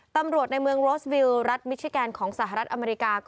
ตำรวจในเมืองโรสวิวรัฐมิชิแกนของสหรัฐอเมริกา